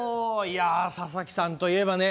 いや佐々木さんといえばね